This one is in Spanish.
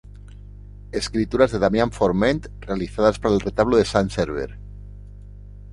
Esculturas de Damián Forment realizadas para el retablo de "Sant Server".